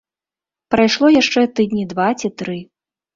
Прайшло яшчэ тыдні два ці тры.